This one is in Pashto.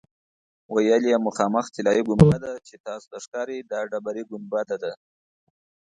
ویل یې مخامخ طلایي ګنبده چې تاسو ته ښکاري دا ډبرې ګنبده ده.